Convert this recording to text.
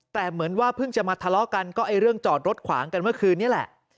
แต่เหมือนว่าเพิ่งจะมาทะเลาะกันก็ไอ้เรื่องจอดรถขวางกันเมื่อคืนนี้แหละ